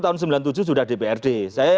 tahun sembilan puluh tujuh sudah dprd